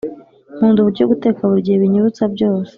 nkunda uburyo guteka buri gihe binyibutsa byose